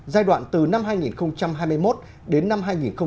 giai đoạn từ năm hai nghìn hai mươi một đến năm hai nghìn hai mươi năm